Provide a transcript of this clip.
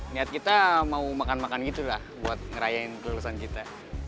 niat kita mau makan makan gitu lah buat ngerayain kelulusan kita